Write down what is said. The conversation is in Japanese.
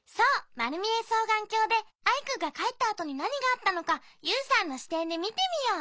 まるみえそうがんきょうでアイくんがかえったあとになにがあったのかユウさんのしてんでみてみよう。